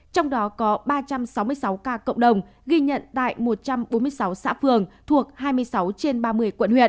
trong đó có ba trăm sáu mươi sáu ca cộng đồng ghi nhận tại một trăm bốn mươi sáu xã phường thuộc hai mươi sáu trên ba mươi quận huyện